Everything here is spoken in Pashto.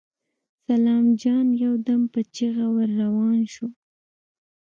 سلام جان يودم په چيغه ور روان شو.